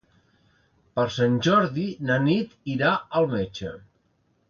Per Sant Jordi na Nit irà al metge.